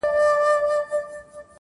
دا ستاد كلـي كـاڼـى زمـا دوا ســـوه.